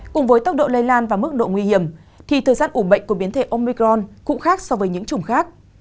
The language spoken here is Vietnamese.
cùng với tốc độ lây lan và mức độ nguy hiểm thì thời gian ủ bệnh của biến thể omicron cũng khác so với những chủng khác